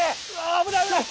危ない危ない！